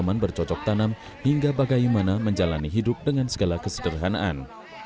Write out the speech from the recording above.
taman bercocok tanam hingga bagaimana menjalani hidup dengan segala kesederhanaan